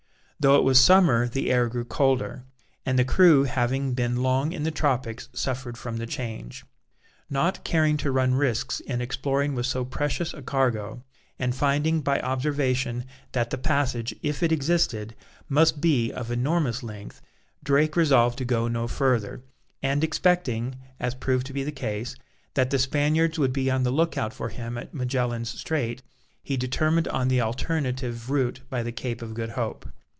Though it was summer the air grew colder, and the crew having been long in the tropics suffered from the change. Not caring to run risks in exploring with so precious a cargo, and finding by observation that the passage, if it existed, must be of enormous length, Drake resolved to go no further, and expecting, as proved to be the case, that the Spaniards would be on the look out for him at Magellan's Strait, he determined on the alternative route by the Cape of Good Hope.